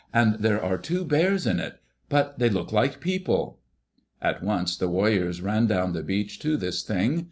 And there are two bears in it; but they look like people." At once the warriors ran down the beach to this Thing.